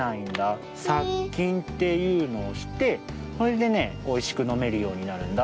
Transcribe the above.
さっきんっていうのをしてそれでねおいしくのめるようになるんだ。